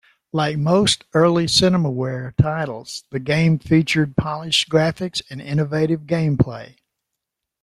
Like most early Cinemaware titles, the game featured polished graphics and innovative gameplay.